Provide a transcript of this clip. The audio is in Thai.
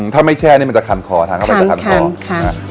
ถ้าไม่แช่นี่มันจะคันคอทางทางจะคันคอ